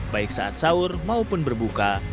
baik saat sahur maupun berbuka